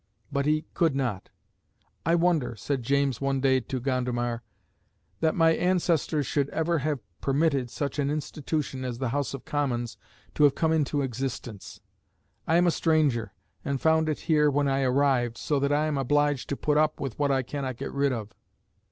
But he could not. "I wonder," said James one day to Gondomar, "that my ancestors should ever have permitted such an institution as the House of Commons to have come into existence. I am a stranger, and found it here when I arrived, so that I am obliged to put up with what I cannot get rid of."